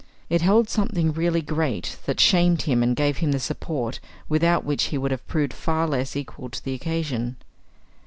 It held something really great that shamed him and gave him the support without which he would have proved far less equal to the occasion.